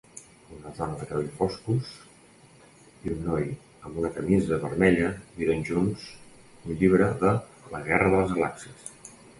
Una dona de cabells foscos i un noi amb una camisa vermella miren junts un llibre de "La guerra de les galàxies".